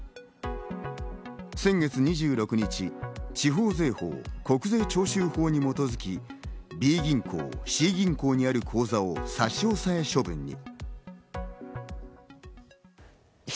先月２６日、地方税法・国税徴収法に基づき、Ｂ銀行、Ｃ銀行にある口座を差し押さえ処分に。